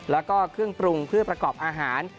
แล้วก็เครื่องปรุงเพื่อประกอบอาหาร